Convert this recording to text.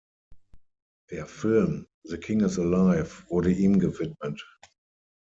Der Film "The King Is Alive" wurde ihm gewidmet.